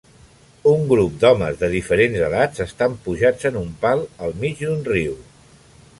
Un grup d'homes de diferents edats estan pujats en un pal al mig d'un riu.